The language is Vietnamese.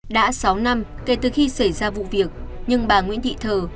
đã sáu năm kể từ khi xảy ra vụ việc nhưng bà nguyễn thị thờ